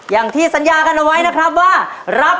อย่างที่สัญญากันเอาไว้นะครับว่ารับ